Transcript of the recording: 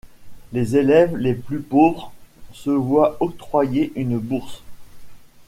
Les élèves les plus pauvres se voient octroyer une bourse.